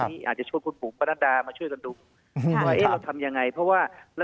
อาจจะชวนคุณภูมิปรนัดดามาช่วยกันดุเราถามยังไงเพราะว่าระเบียบรัชกาล